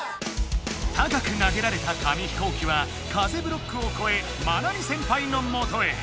高く投げられた紙飛行機は風ブロックをこえマナミ先輩のもとへ。